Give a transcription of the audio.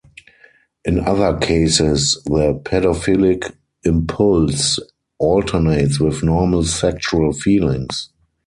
In other cases the pedophilic impulse alternates with normal sexual feelings.